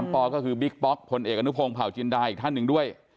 ปก็คือบิ๊กป๊อกพลเอกอนุพงศ์เผาจินดาอีกท่านหนึ่งด้วย